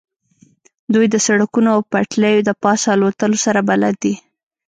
دوی د سړکونو او پټلیو د پاسه الوتلو سره بلد دي